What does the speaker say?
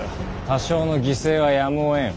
多少の犠牲はやむをえん。